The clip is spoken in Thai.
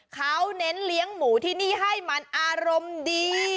เขาเน้นเลี้ยงหมูที่นี่ให้มันอารมณ์ดี